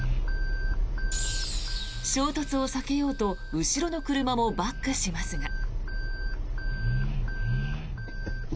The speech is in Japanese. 衝突を避けようと後ろの車もバックしますが。